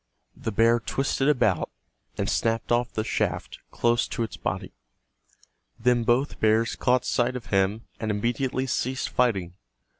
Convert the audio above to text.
The bear twisted about and snapped off the shaft close to its body. Then both bears caught sight of him, and immediately ceased fighting.